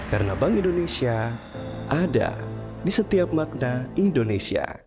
karena bank indonesia ada di setiap makna indonesia